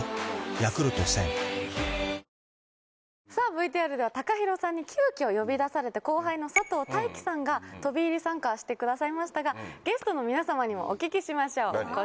ＶＴＲではＴＡＫＡＨＩＲＯさんに急きょ呼び出されて後輩の佐藤大樹さんが飛び入り参加してくださいましたがゲストの皆さまにもお聞きしましょうこちら。